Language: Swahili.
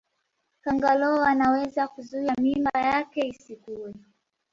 kangaroo anaweza kuzuia mimba yake isikue